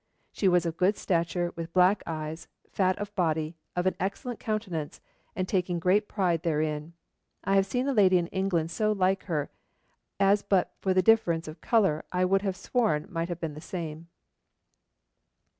She was of good stature, with black eyes, fat of body, of an excellent countenance, and taking great pride therein. I have seen a lady in England so like her, as but for the difference of colour I would have sworn might have been the same.